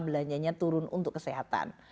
belanjanya turun untuk kesehatan